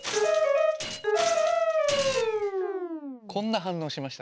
こんな反応しましたね。